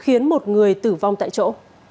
nạn nhân tử vong tại chỗ